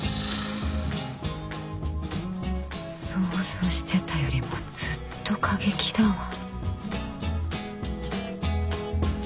想像してたよりもずっと過激だわ。